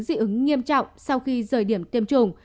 dị ứng nghiêm trọng sau khi rời điểm tiêm chủng